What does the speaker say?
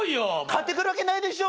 買ってくるわけないでしょ！